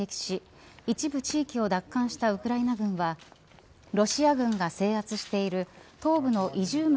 ハルキウ州で反撃し一部地域を奪還したウクライナ軍はロシア軍が制圧している東部のイジューム